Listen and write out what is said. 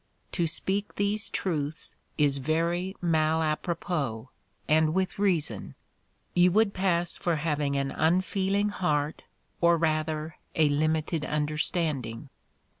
To speak these truths is very mal apropos, and with reason; you would pass for having an unfeeling heart, or, rather, a limited understanding.